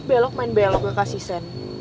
belok main belok gak kasih sen